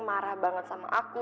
marah banget sama aku